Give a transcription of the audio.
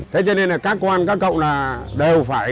thế cho nên là các con các cậu là đều phải